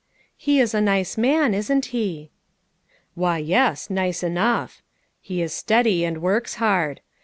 " He is a nice man, isn't he ?"" Why, yes, nice enough ; he is steady and works hard.